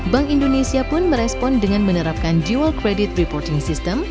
bank indonesia pun merespon dengan menerapkan jiwa credit reporting system